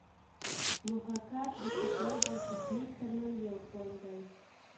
محاکات د تقلید او تخلیق ترمنځ یو پل دی